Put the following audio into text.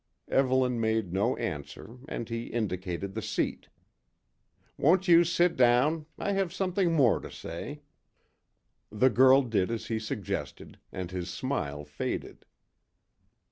Evelyn made no answer, and he indicated the seat. "Won't you sit down, I have something more to say." The girl did as he suggested, and his smile faded.